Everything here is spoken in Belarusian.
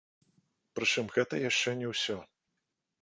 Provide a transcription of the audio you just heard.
Прычым гэта яшчэ не ўсё.